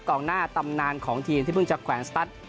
กองหน้าตำนานของทีมที่เพิ่งจะแขวนสตัส